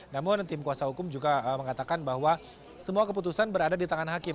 namun tim kuasa hukum juga mengatakan bahwa semua keputusan berada di tangan hakim